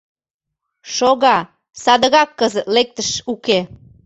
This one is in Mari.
Шога, садыгак кызыт лектыш уке.